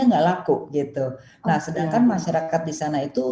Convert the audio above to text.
nah sedangkan masyarakat disana itu